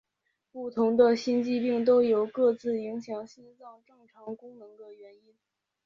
不同的心肌病都有各自影响心脏正常功能的原因。